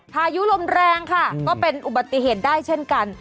พายุลมแรงค่ะก็เป็นอุบัติเหตุได้เช่นกัน